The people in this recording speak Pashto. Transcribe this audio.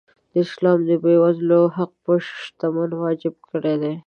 اسلام د بېوزلو حق په شتمن واجب کړی.